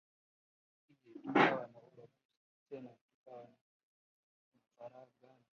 ije tukawa na ubaguzi tena tukawa na mfaragano